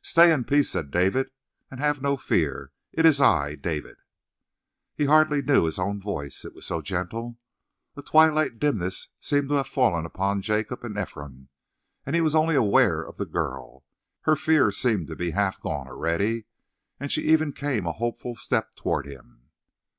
"Stay in peace," said David, "and have no fear. It is I, David." He hardly knew his own voice, it was so gentle. A twilight dimness seemed to have fallen upon Jacob and Ephraim, and he was only aware of the girl. Her fear seemed to be half gone already, and she even came a hopeful step toward him.